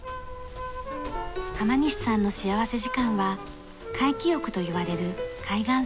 浜西さんの幸福時間は海気浴といわれる海岸散歩。